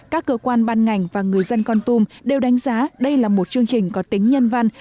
các cơ quan ban ngành và người dân con tum đều đánh giá đây là một chương trình có tính nhân văn